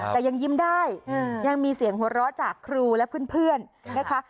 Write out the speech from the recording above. แต่ยังยิ้มได้ยังมีเสียงหัวเราะจากครูและเพื่อนนะคะ